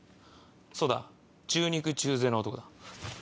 そうだ中肉中背の男だ。